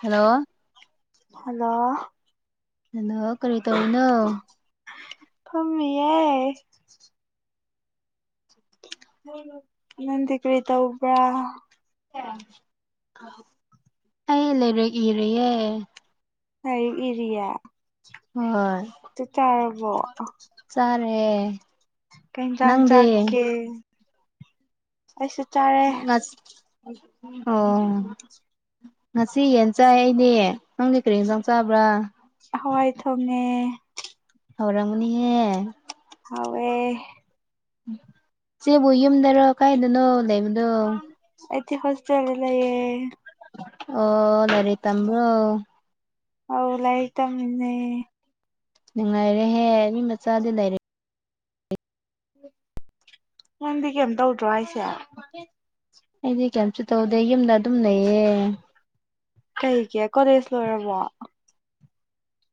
hello hello hello ꯀꯔꯤ ꯇꯧꯔꯤꯅꯣ ꯐꯝꯃꯤꯌꯦ ꯅꯪꯗꯤ ꯀꯔꯤ ꯇꯧꯕ꯭ꯔꯥ ꯑꯩ ꯂꯩꯔꯤꯛ ꯏꯔꯤꯌꯦ ꯂꯥꯏꯔꯤꯛ ꯏꯔꯤꯌꯦ ꯍꯣꯏ ꯆꯥꯛ ꯆꯥꯔꯕꯣ ꯆꯥꯔꯦ ꯀꯩ ꯍꯤꯟꯖꯥꯡ ꯅꯪꯗꯤ ꯆꯥꯒꯦ ꯑꯩꯁꯨ ꯆꯥꯔ [unintelligible] ꯉꯁꯤ ꯌꯦꯟ ꯆꯥꯏ ꯑꯩꯗꯤ ꯅꯪꯗꯤ ꯀꯔꯤ ꯍꯦꯟꯁꯥꯡ ꯆꯥꯕ꯭ꯔꯥ ꯍꯋꯥꯏ ꯊꯣꯡꯉꯦ ꯍꯧꯔꯝꯒꯅꯤꯍꯦ ꯍꯥꯎꯋꯦ ꯆꯦꯕꯨ ꯌꯨꯝꯗꯔꯣ ꯀꯥꯏꯗꯅꯣ ꯂꯩꯕꯗꯣ ꯑꯩꯗꯤ ꯍꯣꯁꯇꯦꯜꯗ ꯂꯩꯌꯦ ꯑꯣ ꯂꯥꯏꯔꯤꯛ ꯇꯝꯕ꯭ꯔꯣ ꯑꯧ ꯂꯥꯏꯔꯤꯛ ꯇꯝꯃꯤꯝꯅꯦ ꯅꯤꯡꯉꯥꯏꯔꯦꯍꯦ ꯃꯤ ꯃꯆꯥꯗꯤ ꯂꯥꯏꯔꯤꯛ ꯅꯪꯗꯤ ꯀꯩꯝ ꯇꯧꯗ꯭ꯔꯣ ꯍꯥꯏꯁꯦ ꯑꯩꯗꯤ ꯀꯩꯝꯁꯨ ꯇꯧꯗꯦ ꯌꯨꯝꯗ ꯑꯗꯨꯝ ꯂꯩꯌꯦ ꯀꯩꯒꯤ ꯀꯣꯂꯦꯖ ꯂꯣꯏꯔꯕꯣ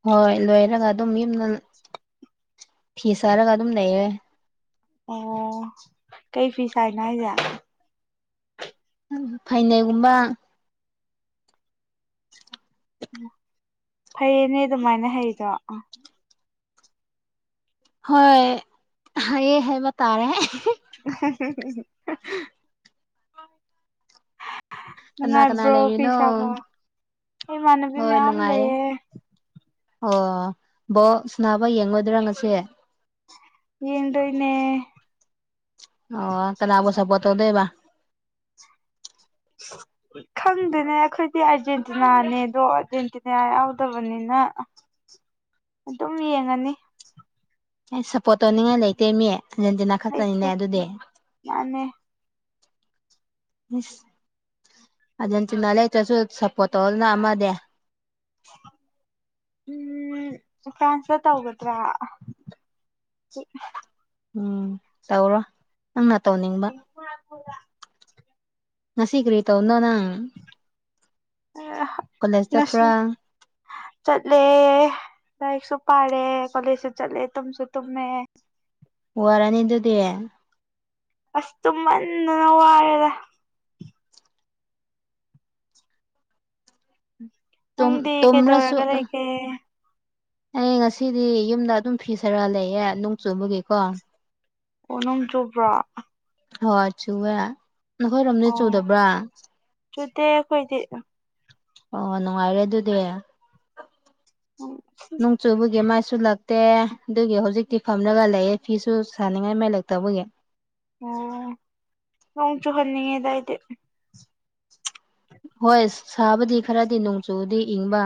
ꯍꯣꯏ ꯂꯣꯏꯔꯒ ꯑꯗꯨꯝ ꯌꯨꯝꯗ ꯐꯤ ꯁꯥꯔꯒ ꯑꯗꯨꯝ ꯂꯩꯌꯦ ꯑꯣ ꯀꯩ ꯐꯤ ꯁꯥꯏꯅꯣ ꯍꯥꯏꯖꯦ ꯍꯝ ꯐꯅꯦꯛꯒꯨꯝꯕ ꯐꯩꯌꯦꯅꯦ ꯑꯗꯨꯃꯥꯏꯅ ꯍꯩꯗꯣ ꯍꯣꯏ ꯍꯩꯌꯦ ꯍꯥꯏꯕ ꯇꯥꯔꯦ [unintelligible] [unintelligible] [unintelligible] ꯀꯅꯥ ꯀꯅꯥ ꯅꯨꯡꯉꯥꯏꯕ꯭ꯔꯣ ꯂꯩꯔꯤꯅꯣ ꯐꯤꯁꯥꯕ ꯈꯣꯢ ꯏꯃꯥꯟꯅꯕꯤ ꯍꯣꯏ ꯃꯌꯥꯝ ꯅꯨꯡꯉꯥꯏꯌꯦ ꯂꯩꯌꯦ ꯑꯣ ꯕꯣꯜ ꯁ꯭ꯅꯥꯕ ꯌꯦꯡꯉꯣꯏꯗ꯭ꯔꯣ ꯉꯁꯤ ꯌꯦꯡꯗꯣꯏꯅꯦ ꯑꯣ ꯀꯅꯥꯕꯨ ꯁꯞꯄꯣꯔꯠ ꯇꯧꯗꯣꯏꯕ [unintelligible] ꯈꯪꯗꯦꯅꯦ ꯑꯈꯣꯏꯗꯤ ꯑꯥꯔꯖꯦꯟꯇꯤꯅꯥꯅꯦ ꯑꯗꯣ ꯑꯥꯔꯖꯦꯟꯇꯤꯅꯥ ꯌꯥꯎꯗꯕꯅꯤꯅ ꯑꯗꯨꯝ ꯌꯦꯡꯉꯅꯤ ꯑꯩ ꯁꯞꯄꯣꯔꯠ ꯇꯧꯅꯤꯡꯉꯥꯏ ꯂꯩꯇꯦꯃꯤ ꯑꯥꯔꯖꯦꯟꯇꯤꯅꯥ ꯈꯛꯇꯅꯤꯅꯦ ꯂꯩꯇꯦ ꯑꯗꯨꯗꯤ ꯃꯥꯅꯦ ꯢꯁ ꯑꯥꯔꯖꯦꯟꯇꯤꯅ ꯂꯩꯇ꯭ꯔꯁꯨ ꯁꯞꯄꯣꯔꯠ ꯇꯧꯗꯅ ꯑꯃꯗꯤ ꯎꯝ ꯐ꯭ꯔꯥꯟꯁꯇ ꯇꯧꯒꯗ꯭ꯔꯥ [unintelligible] ꯎꯝ ꯇꯧꯔꯣ ꯅꯪꯅ ꯇꯧꯅꯤꯡ ꯄꯀꯣꯔꯥ ꯊꯣꯡꯕ ꯉꯁꯤ ꯀꯔꯤ ꯇꯧꯕꯅꯣ ꯅꯪ ꯀꯣꯂꯦꯖ [unintelligible] ꯉꯁꯤ ꯆꯠꯄ꯭ꯔꯥ ꯆꯠꯂꯦ ꯂꯥꯏꯔꯤꯛꯁꯨ ꯄꯥꯔꯦ ꯀꯣꯂꯦꯖꯁꯨ ꯆꯠꯂꯦ ꯇꯨꯝꯁꯨ ꯇꯨꯝꯃꯦ ꯋꯥꯔꯅꯤ ꯑꯗꯨꯗꯤ ꯑꯁ ꯇꯨꯝꯃꯟꯗꯅ ꯋꯥꯔꯦꯗ ꯇꯨꯝ ꯅꯪꯗꯤ ꯇꯨꯝꯔꯁꯨ ꯀꯩꯗꯧꯔꯒ ꯂꯩꯒꯦ ꯑꯩ ꯉꯁꯤꯗꯤ ꯌꯨꯝꯗ ꯑꯗꯨꯝ ꯐꯤ ꯁꯥꯔ ꯂꯩꯌꯦ ꯅꯣꯡ ꯆꯨꯕꯒꯤꯀꯣ ꯑꯣ ꯅꯣꯡ ꯆꯨꯕ꯭ꯔꯥ ꯍꯣꯏ ꯆꯨꯨꯋꯦ ꯅꯈꯣꯏꯔꯣꯝꯗꯗꯤ ꯑꯣ ꯆꯨꯗꯕ꯭ꯔꯥ ꯆꯨꯗꯦ ꯑꯈꯣꯏꯗꯤ ꯑꯣ ꯅꯨꯡꯉꯥꯏꯔꯦ ꯑꯗꯨꯗꯤ ꯅꯣꯡ ꯆꯨꯕꯒꯤ ꯃꯥꯏꯁꯨ ꯂꯛ ꯇꯦ ꯑꯗꯨꯒꯤ ꯍꯧꯖꯤꯛꯇꯤ ꯐꯝꯔꯒ ꯂꯩꯌꯦ ꯐꯤꯁꯨ ꯁꯥꯅꯤꯡꯉꯥꯏ ꯃꯩ ꯂꯩꯇꯕꯒꯤ ꯑꯣ ꯅꯣꯡ ꯆꯨꯍꯟꯅꯤꯡꯉꯦꯗ ꯑꯩꯗꯤ ꯍꯣꯏ ꯁꯥꯕꯨꯗꯤ ꯈꯔꯗꯤ ꯅꯣꯡ ꯆꯨꯕꯗꯤ ꯏꯪꯕ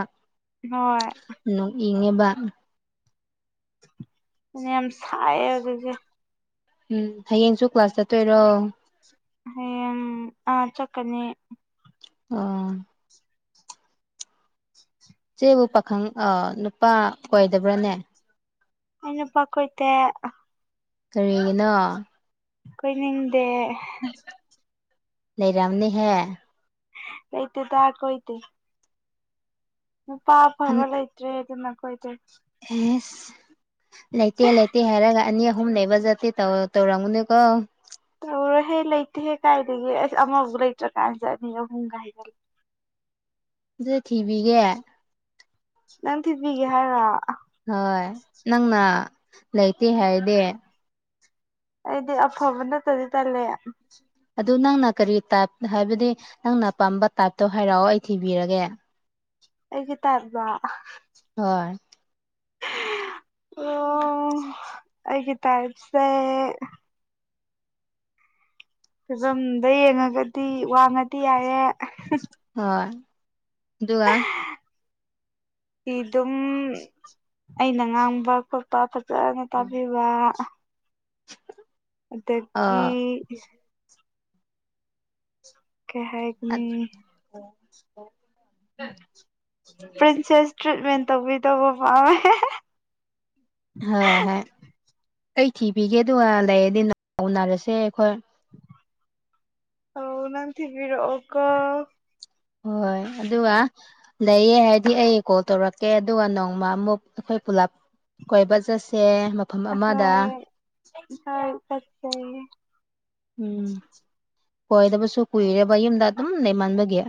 ꯍꯣꯏ ꯅꯣꯛꯅꯤꯡꯉꯦꯕ ꯐꯅ꯭ꯌꯥꯝ ꯁꯥꯏꯌꯦ [unintelligible] ꯎꯝ ꯍꯌꯦꯡꯁꯨ ꯀ꯭ꯂꯥꯁ ꯆꯠꯇꯣꯏꯔꯣ ꯍꯌꯦꯡ ꯑꯥ ꯆꯠꯀꯅꯤ ꯑꯣ [inaudible] ꯆꯦꯕꯨ ꯄꯥꯈꯪ ꯑ ꯅꯨꯄꯥ ꯀꯣꯏꯗꯕ꯭ꯔꯥꯅꯦ ꯑꯩ ꯅꯨꯄꯥ ꯀꯣꯏꯗꯦ ꯀꯔꯤꯒꯤꯅꯣ ꯀꯣꯏꯅꯤꯡꯗꯦ ꯂꯩꯔꯝꯅꯤꯍꯦ ꯂꯩꯇꯦꯗ ꯇ ꯀꯏꯇꯦ ꯅꯨꯄꯥ ꯑꯐꯕ ꯂꯩꯇ꯭ꯔꯦ ꯑꯗꯨꯅ ꯀꯣꯏꯗꯤ ꯑꯦꯁ ꯂꯩꯇꯦ ꯂꯩꯇꯦ ꯍꯥꯏꯔꯒ ꯑꯅꯤ ꯑꯍꯨꯝ ꯂꯩꯕꯖꯠꯇꯦ ꯇꯧꯗ ꯇꯧꯔꯝꯒꯅꯨꯀꯣ ꯇꯧꯔꯣꯏꯍꯦ ꯂꯩꯇꯦꯍꯦ ꯀꯥꯏꯗꯒꯤ ꯑꯁ ꯑꯃꯐꯥꯎ ꯂꯩꯇ꯭ꯔꯀꯥꯟꯁꯤꯠ ꯑꯅꯤ ꯑꯍꯨꯝꯒꯥꯏ ꯍꯥꯏꯖꯜꯂꯦ ꯑꯗꯨ ꯊꯤꯕꯤꯒꯦ ꯅꯪ ꯊꯤꯕꯤꯒꯦ ꯍꯥꯏꯔꯣ ꯍꯣꯏ ꯅꯪꯅ ꯂꯩꯇꯦ ꯍꯥꯏꯗꯤ ꯑꯩꯗꯤ ꯑꯐꯕ ꯅꯠꯇꯗꯤ ꯇꯜꯂꯦ ꯑꯗꯨ ꯅꯪꯅ ꯀꯔꯤ ꯇꯥꯏꯞ ꯍꯥꯏꯕꯗꯤ ꯅꯪꯅ ꯑ ꯄꯥꯝꯕ ꯇꯥꯏꯞꯇꯣ ꯍꯥꯏꯔꯛꯑꯣ ꯑꯩ ꯊꯤꯕꯤꯔꯒꯦ ꯑꯩꯒꯤꯇꯥꯏꯞꯂꯣ ꯍꯣꯏ ꯑꯣ ꯑꯩꯒꯤ ꯇꯥꯏꯞꯁꯦ ꯐꯤꯕꯝꯗ ꯌꯦꯡꯉꯒꯗꯤ ꯋꯥꯡꯉꯗꯤ ꯌꯥꯏꯑꯦ ꯍꯣꯏ ꯑꯗꯨꯒ ꯑꯗꯨꯝ ꯑꯩꯅ ꯉꯥꯡꯕ ꯈꯣꯠꯄ ꯐꯖꯅ ꯇꯥꯕꯤꯕ ꯑ ꯑꯗꯒꯤ ꯀꯩ ꯍꯥꯏ [unintelligible] ꯄ꯭ꯔꯤꯟꯁꯦꯁ ꯇ꯭ꯔꯤꯠꯃꯦꯟ ꯇꯧꯕꯤꯗꯧꯕ ꯄꯥꯝꯃꯦ ꯍꯦꯍꯦ ꯍꯣꯏ ꯍꯣꯏ ꯑꯩ ꯊꯤꯕꯤꯒꯦ ꯑꯗꯨꯒ ꯂꯩꯔꯗꯤ ꯎꯟꯅꯔꯁꯦ ꯑꯩꯈꯣꯏ ꯑꯧ ꯅꯪ ꯊꯤꯕꯤꯔꯛ ꯑꯣꯀꯣ ꯍꯣꯏ ꯑꯗꯨꯒꯥ ꯂꯩꯌꯦ ꯍꯥꯏꯗꯤ ꯑꯩ ꯀꯣꯜ ꯇꯧꯔꯛꯀꯦ ꯑꯗꯨꯒ ꯅꯣꯡꯃ ꯑꯃꯨꯛ ꯑꯩꯈꯣꯏ ꯄꯨꯂꯞ ꯀꯣꯏꯕ ꯆꯠꯁꯦ ꯃꯐꯝ ꯑꯃꯗ ꯏꯀꯥꯏ ꯐꯠꯇꯦꯌꯦ ꯎꯝ ꯀꯣꯏꯗꯕꯁꯨ ꯀꯨꯏꯔꯦꯕ ꯌꯨꯝꯗ ꯑꯗꯨꯝ ꯂꯩꯃꯟꯕꯒꯤ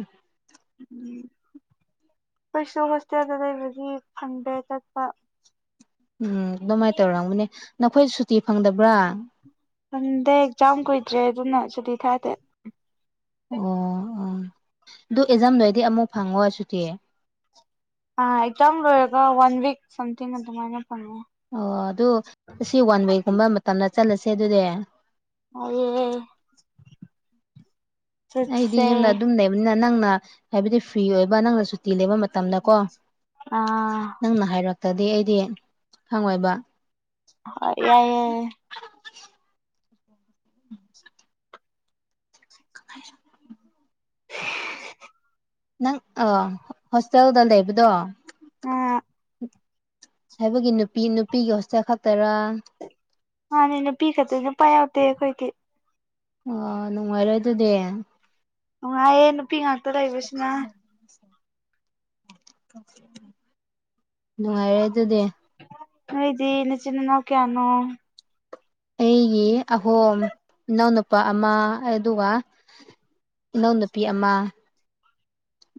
ꯎꯝ ꯑꯩꯁꯨ ꯍꯣꯁꯇꯦꯜꯗ ꯂꯩꯕꯒꯤ ꯐꯪꯗꯦ ꯆꯠꯄꯥ ꯎꯝ ꯑꯗꯨꯃꯥꯏꯅ ꯇꯧꯔꯝꯒꯅꯦ ꯅꯈꯣꯏ ꯁꯨꯇꯤ ꯐꯪꯗꯕ꯭ꯔꯥ ꯐꯪꯗꯦ ꯑꯦꯛꯖꯥꯝ ꯀꯨꯏꯗ꯭ꯔꯦ ꯑꯗꯨꯅ ꯁꯨꯇꯤ ꯊꯥꯗꯦ ꯑꯣ ꯑꯣ ꯑꯗꯨ ꯑꯦꯖꯥꯝ ꯂꯩꯔꯗꯤ ꯑꯃꯨꯛ ꯐꯪꯉꯣ ꯁꯨꯇꯤ ꯑꯥ ꯑꯦꯛꯖꯥꯝ ꯂꯣꯏꯔꯒ ꯋꯥꯟ ꯋꯤꯛ ꯁꯝꯊꯤꯡ ꯑꯗꯨꯃꯥꯏꯅ ꯐꯪꯉꯦ ꯑꯣ ꯑꯗꯨ ꯑꯁꯤ ꯋꯥꯟ ꯋꯤꯛꯀꯨꯝꯕ ꯃꯇꯝꯗ ꯆꯠꯂꯁꯦ ꯑꯗꯨꯗꯤ ꯑꯣꯏꯌꯦ ꯑꯩꯗꯤ ꯌꯨꯝꯗ ꯑꯗꯨꯝ ꯂꯩꯕꯅꯤꯅ ꯅꯪꯅ ꯍꯥꯏꯕꯗꯤ ꯐ꯭ꯔꯤ ꯑꯣꯏꯕ ꯅꯪꯅ ꯁꯨꯇꯤ ꯂꯩꯕ ꯃꯇꯝꯗꯀꯣ ꯑꯥ ꯅꯪꯅ ꯍꯥꯏꯔꯛꯇꯗꯤ ꯑꯩꯗꯤ ꯈꯪꯉꯣꯏꯕ ꯍꯣ ꯌꯥꯏ ꯌꯥꯏ [unintelligible] ꯅꯪ ꯑꯥ ꯍꯣꯁꯇꯦꯜꯗ ꯂꯩꯕꯗꯣ ꯑꯝ ꯍꯥꯏꯕꯒꯤ ꯅꯨꯄꯤ ꯅꯨꯄꯤꯒꯤ ꯍꯣꯁꯇꯦꯜ ꯈꯛꯇꯔꯥ ꯃꯥꯥꯟꯅꯦ ꯅꯨꯄꯤ ꯈꯛꯇ ꯅꯨꯄꯥ ꯌꯥꯎꯗꯦ ꯑꯩꯈꯣꯏꯗꯤ ꯑꯣ ꯅꯨꯡꯉꯥꯏꯔꯦ ꯑꯗꯨꯗꯤ ꯅꯨꯡꯉꯥꯏꯌꯦ ꯅꯨꯄꯤ ꯉꯥꯛꯇ ꯂꯩꯕꯁꯤꯅ ꯅꯨꯡꯉꯥꯏꯔꯦ ꯑꯗꯨꯗꯤ ꯅꯣꯏꯗꯤ ꯅꯆꯤꯟ ꯅꯅꯥꯎ ꯀꯌꯥꯅꯣ ꯑꯩꯒꯤ ꯑꯍꯣꯝ ꯏꯅꯥꯎꯅꯨꯄꯥ ꯑꯃ ꯑꯗꯨꯒ ꯏꯅꯥꯎꯅꯨꯄꯤ ꯑꯃ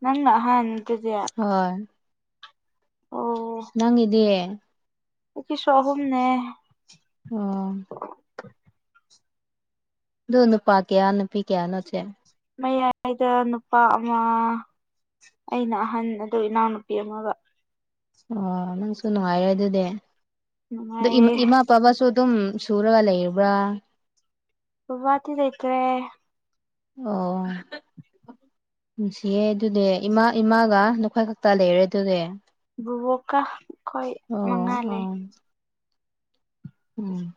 ꯅꯪꯅ ꯑꯍꯟ ꯗꯨꯗꯤ ꯍꯣꯏ ꯑꯣ ꯅꯪꯒꯤꯗꯤ ꯑꯩꯀꯤꯁꯨ ꯑꯍꯨꯝꯅꯦ ꯑꯣ ꯑꯗꯣ ꯅꯨꯄꯥ ꯀꯌꯥ ꯅꯨꯄꯤ ꯀꯌꯥꯅꯣ ꯆꯦ ꯃꯌꯥꯏꯗ ꯅꯨꯄꯥ ꯑꯃ ꯑꯩꯅ ꯑꯍꯟ ꯑꯗꯨ ꯏꯅꯥꯎꯅꯨꯄꯤ ꯑꯃꯒ ꯑꯣ ꯅꯪꯁꯨ ꯅꯨꯡꯉꯥꯏꯌꯦ ꯑꯗꯨꯗꯤ ꯑꯗꯨ ꯅꯨꯡꯉꯥꯏꯌꯦ ꯏꯃ ꯏꯃꯥ ꯕꯕꯥꯁꯨ ꯑꯗꯨꯝ ꯁꯨꯔꯒ ꯂꯩꯕ꯭ꯔꯥ ꯕꯕꯥꯗꯤ ꯂꯩꯇ꯭ꯔꯦ ꯑꯣ ꯅꯨꯡꯁꯤꯌꯦ ꯑꯗꯨꯗꯤ ꯏꯃꯥ ꯏꯃꯥꯒ ꯅꯈꯣꯏ ꯈꯛ ꯇ ꯂꯩꯔꯦ ꯑꯗꯨꯗꯤ ꯕꯨꯕꯣꯛꯀꯥ ꯈꯣꯏ ꯑꯣ ꯃꯉꯥ ꯂꯩ ꯑꯣ ꯎꯝ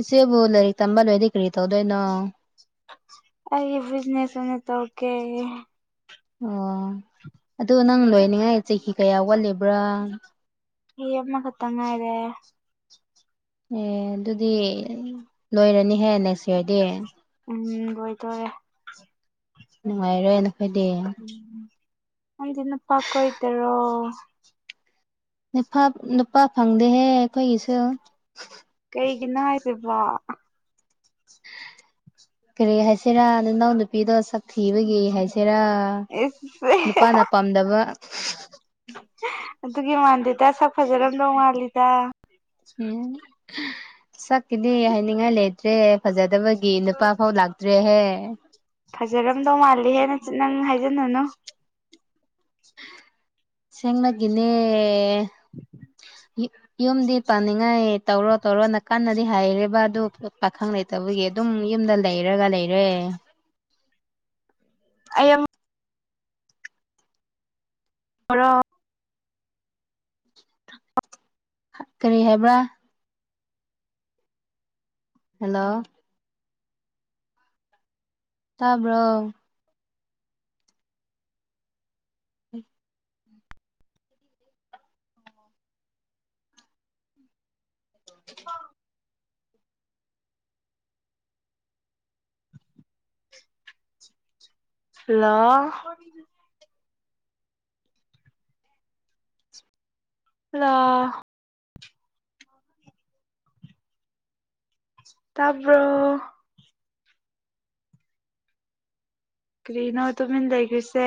ꯏꯆꯦꯕꯨ ꯂꯥꯏꯔꯤꯛ ꯇꯝꯕ ꯂꯣꯏꯔꯗꯤ ꯀꯔꯤ ꯇꯧꯗꯣꯏꯅꯣ ꯑꯩꯒꯤ ꯕꯤꯖꯤꯅꯦꯁ ꯑꯣꯢꯅ ꯇꯧꯀꯦ ꯑꯣ ꯑꯗꯨ ꯅꯪ ꯂꯣꯏꯅꯤꯡꯉꯥꯏ ꯆꯍꯤ ꯀꯌꯥ ꯋꯥꯠꯂꯤꯕ꯭ꯔꯥ ꯆꯍꯤ ꯑꯃꯈꯇꯪ ꯉꯥꯏꯔꯦ ꯑꯦ ꯑꯗꯨꯗꯤ ꯂꯣꯏꯔꯅꯤꯍꯦ ꯅꯦꯛꯁ ꯏꯌꯥꯔꯗꯤ ꯎꯝ ꯂꯣꯢꯗꯣꯔꯦ ꯅꯨꯡꯉꯥꯏꯔꯦ ꯅꯈꯣꯢꯗꯤ ꯎꯝ ꯅꯪꯗꯤ ꯅꯨꯄꯥ ꯀꯣꯏꯇꯔꯣ ꯅꯨꯐꯥꯞ ꯅꯨꯄꯥ ꯐꯪꯗꯦꯍꯦ ꯑꯩꯈꯣꯏꯒꯤꯁꯨ ꯀꯩꯒꯤꯅꯣ ꯍꯥꯏꯁꯤꯕꯣ ꯀꯔꯤ ꯍꯥꯏꯁꯤꯔꯥ ꯅꯅꯥꯎ ꯅꯨꯄꯤꯗꯣ ꯁꯛ ꯊꯤꯕꯒꯤ ꯍꯥꯏꯁꯤꯔꯥ ꯏꯁ ꯅꯨꯄꯥꯅ ꯄꯥꯝꯗꯕ ꯑꯗꯨꯒꯤ ꯃꯥꯟꯗꯦꯗ ꯁꯛ ꯐꯖꯔꯝꯗꯧ ꯃꯥꯜꯂꯤꯗ ꯑꯌꯣꯃꯥ ꯁꯛꯀꯤꯗꯤ ꯍꯥꯏꯅꯤꯡꯉꯥꯏ ꯂꯩꯇ꯭ꯔꯦ ꯐꯖꯗꯕ ꯒꯤ ꯅꯨꯄꯥ ꯐꯥꯎ ꯂꯥꯛꯇ꯭ꯔꯦ ꯍꯦ ꯐꯖꯔꯝꯗꯧ ꯃꯥꯜꯂꯤꯍꯦ ꯅꯆꯤ ꯅꯪ ꯍꯥꯏꯖꯤꯟꯅꯅꯨ ꯁꯦꯡꯅꯒꯤꯅꯦ ꯌꯨ ꯌꯨꯝꯗꯤ ꯄꯥꯅꯤꯡꯉꯥꯏ ꯇꯧꯔꯣ ꯇꯧꯔꯣꯅ ꯀꯟꯅ ꯗꯤ ꯍꯥꯏꯔꯦꯕ ꯑꯗꯨ ꯄꯥꯈꯪ ꯂꯩꯇꯕꯒꯤ ꯑꯗꯨꯝ ꯌꯨꯝꯗ ꯂꯩꯔꯒ ꯂꯩꯔꯦ ꯑꯩꯌꯝ ꯃꯔꯣ ꯀꯔꯤ ꯍꯥꯏꯕ꯭ꯔꯥ ꯍꯜꯂꯣ ꯇꯥꯕ꯭ꯔꯣ ꯑꯩ [inaudible] ꯍꯜꯂꯣ ꯀꯔꯤꯅꫭ ꯍꯦ ꯍꯜꯂꯣ ꯇꯥꯕ꯭ꯔꫭ ꯀꯔꯤꯅꯣ ꯇꯨꯃꯤꯟ ꯂꯩꯈ꯭ꯔꯤꯁꯦ